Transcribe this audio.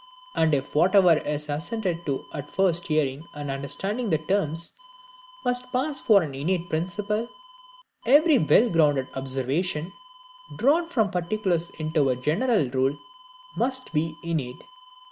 And if whatever is assented to at first hearing and understanding the terms must pass for an innate principle, every well grounded observation, drawn from particulars into a general rule, must be innate.